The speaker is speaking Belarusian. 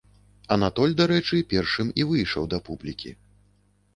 Анатоль, дарэчы, першым і выйшаў да публікі.